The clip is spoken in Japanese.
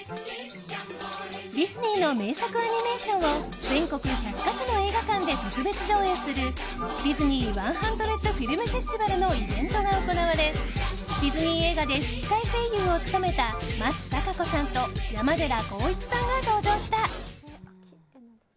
ディズニーの名作アニメーションを全国の１００か所の映画館で特別上映する「ディズニー１００フィルム・フェスティバル」のイベントが行われディズニー映画で吹き替え声優を務めた松たか子さんと山寺宏一さんが登場した。